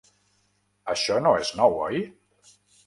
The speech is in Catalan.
Això no és nou, oi?